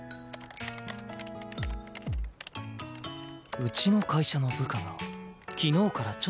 うちの会社の部下が昨日からちょっと変